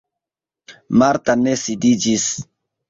Marta ne sidiĝis.